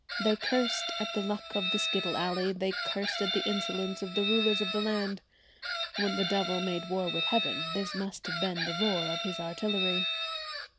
They cursed at the luck of the skittle alley; they cursed at the insolence of the rulers of the land. When the devil made war with heaven, this must have been the roar of his artillery.